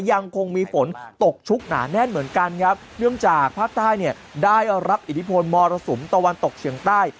ยังคงมีฝนตกชุกหนาแน่นเหมือนกันครับเนื่องจากภาคใต้เนี่ยได้รับอิทธิพลมรสุมตะวันตกเฉียงใต้